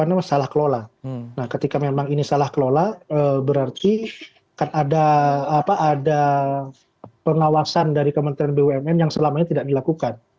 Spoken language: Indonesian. karena memang salah kelola nah ketika memang ini salah kelola berarti kan ada pengawasan dari kementerian bumn yang selamanya tidak dilakukan